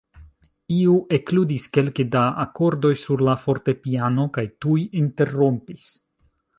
Iu ekludis kelke da akordoj sur la fortepiano kaj tuj interrompis.